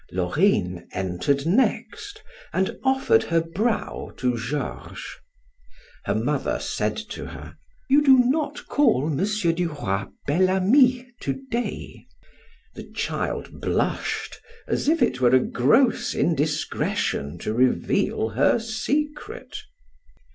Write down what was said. Laurine entered next, and offered her brow to Georges. Her mother said to her: "You do not call M. Duroy Bel Ami to day." The child blushed as if it were a gross indiscretion to reveal her secret.